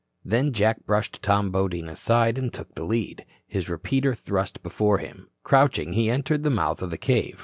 Then Jack brushed Tom Bodine aside and took the lead. His repeater thrust before him, crouching, he entered the mouth of the cave.